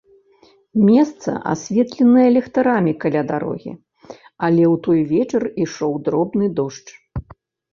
Месца асветленае ліхтарамі каля дарогі, але ў той вечар ішоў дробны дождж.